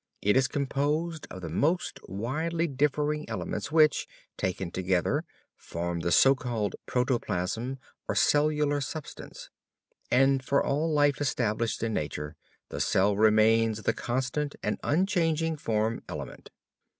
It is composed of the most widely differing elements which, taken together, form the so called protoplasm or cellular substance. And for all life established in nature the cell remains the constant and unchanging form element.